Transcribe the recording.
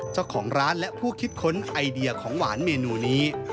เจ้าของร้านและผู้คิดค้นไอเดียของหวานเมนูนี้